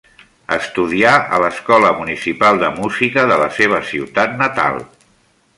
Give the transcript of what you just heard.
Estudià a l'Escola Municipal de Música de la seva ciutat natal.